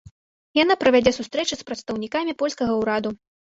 Яна правядзе сустрэчы з прадстаўнікамі польскага ўраду.